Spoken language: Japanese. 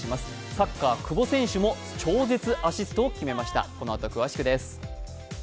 サッカー、久保選手も超絶アシストを決めました。